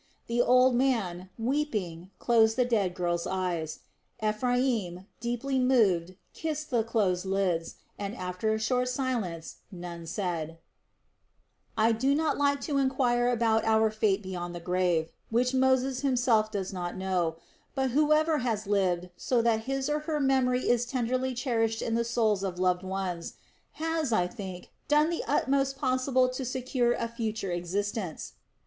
The old man, weeping, closed the dead girl's eyes. Ephraim, deeply moved, kissed the closed lids, and after a short silence Nun said: "I do not like to enquire about our fate beyond the grave, which Moses himself does not know; but whoever has lived so that his or her memory is tenderly cherished in the souls of loved ones, has, I think, done the utmost possible to secure a future existence.